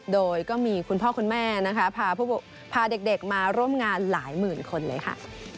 โดยก็มีคุณพ่อคุณแม่นะคะพาเด็กมาร่วมงานหลายหมื่นคนเลยค่ะ